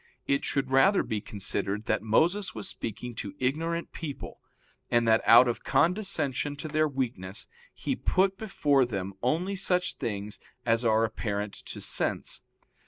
It should rather be considered that Moses was speaking to ignorant people, and that out of condescension to their weakness he put before them only such things as are apparent to sense.